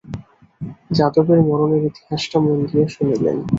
যাদবের মরণের ইতিহাসটা মন দিয়া শুনিলেন।